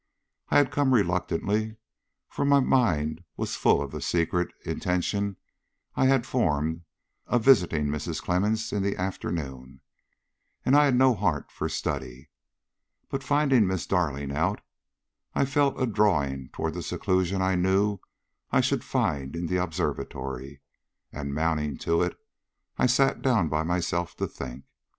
I had come reluctantly, for my mind was full of the secret intention I had formed of visiting Mrs. Clemmens in the afternoon, and I had no heart for study. But finding Miss Darling out, I felt a drawing toward the seclusion I knew I should find in the observatory, and mounting to it, I sat down by myself to think.